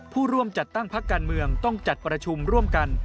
ผู้ร่วมจัดตั้งพักการเมืองต้องจัดประชุมร่วมกัน